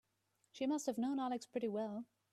She must have known Alex pretty well.